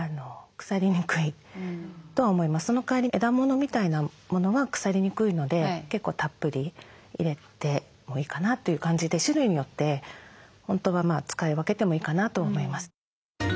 そのかわり枝物みたいなものは腐りにくいので結構たっぷり入れてもいいかなという感じで種類によって本当は使い分けてもいいかなと思います。